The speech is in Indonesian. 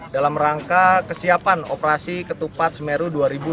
dalam rangka kesiapan operasi ketupat semeru dua ribu dua puluh